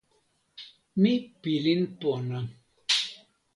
mi pilin pona.